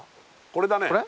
これだね。